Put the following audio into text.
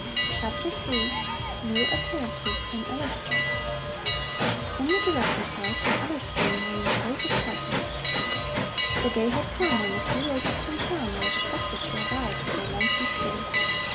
CHAPTER III NEW APPEARANCES IN ILLER STREAM In the Director's house in Iller Stream reigned great excitement. The day had come when the two ladies from town were expected to arrive for their lengthy stay.